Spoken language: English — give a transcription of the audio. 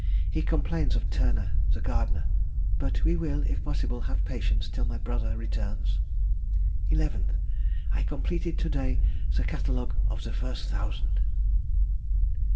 He complains of Turner (the gardener), but we will, if possible, have patience till my brother returns. 11th. I completed to day the catalogue of the first thousand.